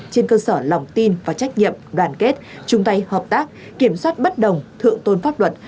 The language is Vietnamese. trên cơ sở lòng tin và trách nhiệm đoàn kết chung tay hợp tác kiểm soát bất đồng thượng tôn pháp luật